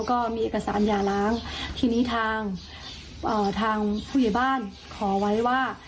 ก็มีเอกสารยาล้างทีนี้ทางทางผู้ใหญ่บ้านขอไว้ว่า